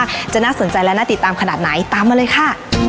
ว่าจะน่าสนใจและน่าติดตามขนาดไหนตามมาเลยค่ะ